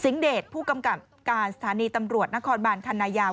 เดชผู้กำกับการสถานีตำรวจนครบานคันนายาว